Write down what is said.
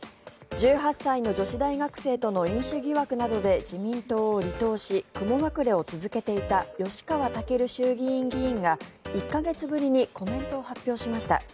１８歳の女子大学生との飲酒疑惑などで自民党を離党し雲隠れを続けていた吉川赳衆議院議員が１か月ぶりにコメントを発表しました。